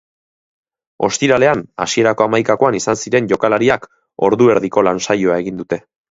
Ostiralean hasierako hamaikakoan izan ziren jokalariek ordu erdiko lan saioa egin dute.